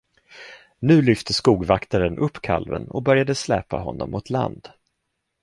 Nu lyfte skogvaktaren upp kalven och började släpa honom mot land.